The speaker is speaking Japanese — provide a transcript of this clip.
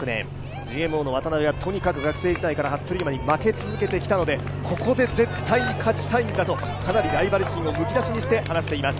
ＧＭＯの渡邉はとにかく服部勇馬に負け続けてきたのでここで絶対に勝ちたいんだと、かなりライバル心をむきだしにして話しています。